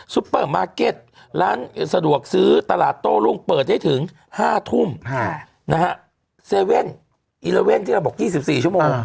เปอร์มาร์เก็ตร้านสะดวกซื้อตลาดโต้รุ่งเปิดให้ถึง๕ทุ่มนะฮะ๗๑๑ที่เราบอก๒๔ชั่วโมง